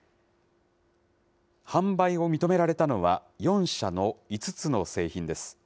販売を認められたのは、４社の５つの製品です。